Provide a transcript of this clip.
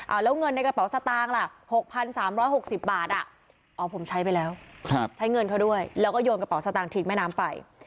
เอาแล้วเงินในกระเป๋าสตางค์ล่ะ๖๓๖๐บาทอ๋อผมใช้ไปแล้วใช้เงินเขาด้วยแล้วก็โยนกระเป๋าสตางคิงแม่น้ำไป